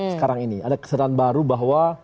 sekarang ini ada kesalahan baru bahwa